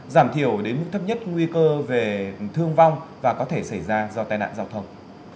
giảm thiểu đến mức thấp nhất nguy cơ về thương vong và có thể xảy ra do tai nạn giao thông